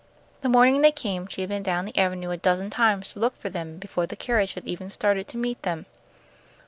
The morning they came she had been down the avenue a dozen times to look for them before the carriage had even started to meet them.